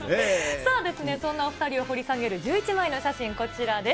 さあ、そんなお２人を掘り下げる１１枚の写真、こちらです。